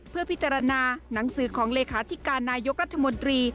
เพื่อพิจารณาหนังสือของเลขาธิการนายกรัฐมนตรี